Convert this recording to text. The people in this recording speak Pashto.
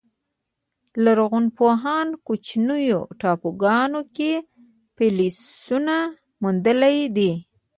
لرغونپوهانو کوچنیو ټاپوګانو کې فسیلونه موندلي دي.